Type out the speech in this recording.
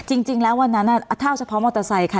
จริงแล้ววันนั้นถ้าเฉพาะมอเตอร์ไซค์ค่ะ